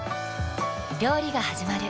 料理がはじまる。